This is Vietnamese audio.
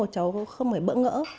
cháu không phải bỡ ngỡ